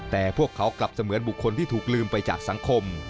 แต่พวกเขากลับเสมือนบุคคลที่ถูกลืมไปจากสังคม